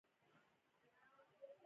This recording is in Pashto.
د نجونو تعلیم د سولې لپاره بنسټ جوړوي.